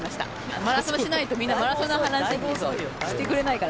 マラソンしないとみんな、マラソンの話してくれないから。